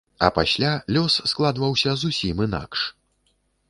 А пасля лёс складваўся зусім інакш.